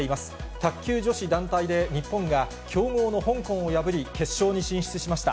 卓球女子団体で日本が強豪の香港を破り、決勝に進出しました。